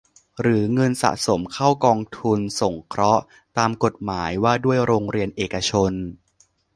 หรือเงินสะสมเข้ากองทุนสงเคราะห์ตามกฎหมายว่าด้วยโรงเรียนเอกชน